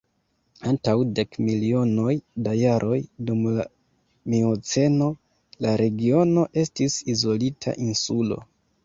Antaŭ dek milionoj da jaroj, dum la mioceno, la regiono estis izolita insulo.